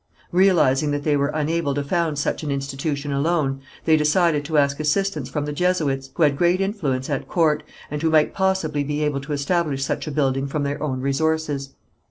Realizing that they were unable to found such an institution alone, they decided to ask assistance from the Jesuits, who had great influence at court, and who might possibly be able to establish such a building from their own resources.